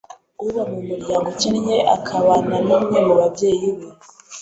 uba mu muryango ukennye akabana n umwe mu babyeyi be